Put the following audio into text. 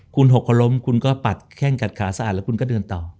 คุณหกเขาล้มคุณก็ปัดแข้งกัดขาสะอาดแล้วคุณก็เดินต่อ